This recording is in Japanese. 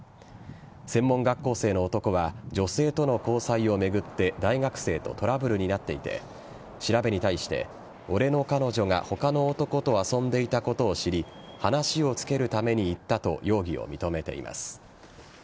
専門学校生の男は女性との交際を巡って大学生とトラブルになっていて調べに対して、俺の彼女が他の男と遊んでいたことを知り話をつけるために行ったと容疑を認めています。